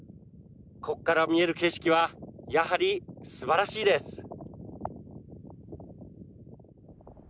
ここから見える景色はやはり、すばらしいです。